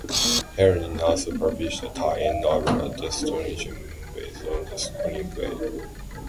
Heinlein also published a tie-in novella, "Destination Moon", based on the screenplay.